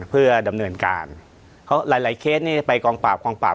เพื่อดำเนินการเพราะหลายหลายเคสนี้ไปกองปราบกองปราบ